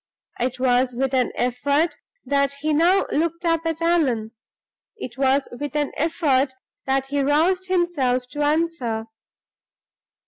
It was with an effort that he now looked up at Allan; it was with an effort that he roused himself to answer.